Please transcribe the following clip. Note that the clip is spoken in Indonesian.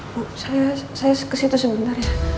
bu saya kesitu sebentar ya